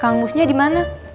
kang mus nya dimana